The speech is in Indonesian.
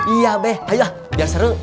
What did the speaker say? iya be ayo lah biar seru